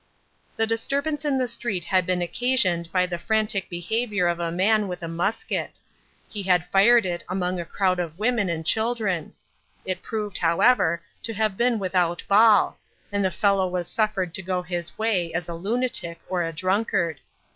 "The disturbance in the street had been occasioned by the frantic behavior of a man with a musket. He had fired it among a crowd of women and children. It proved, however, to have been without ball, and the fellow was suffered to go his way as a lunatic or a drunkard.